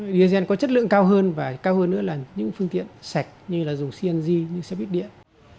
diesel có chất lượng cao hơn và cao hơn nữa là những phương tiện sạch như là dùng cng như xe buýt điện